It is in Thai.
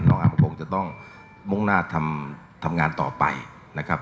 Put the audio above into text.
น้องอ้าวคงจะต้องมุ่งหน้าทำงานต่อไปนะครับ